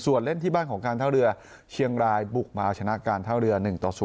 ส่วนเล่นที่บ้านของการท่าเรือเชียงรายบุกมาเอาชนะการท่าเรือ๑ต่อ๐